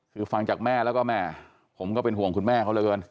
คือฟังจากแม่แล้วก็แม่ผมก็เป็นห่วงคุณแม่เขาเหลือเกิน